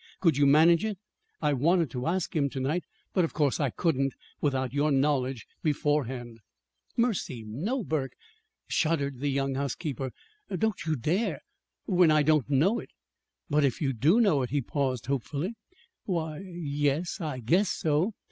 Could you manage it? I wanted to ask him to night; but of course I couldn't without your knowing beforehand." "Mercy, no, Burke!" shuddered the young housekeeper. "Don't you dare when I don't know it." "But if you do know it " He paused hopefully. "Why, y yes, I guess so.